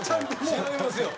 違いますよ。